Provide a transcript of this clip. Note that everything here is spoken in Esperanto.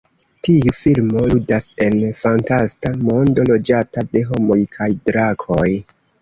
Tiu filmo ludas en fantasta mondo loĝata de homoj kaj drakoj.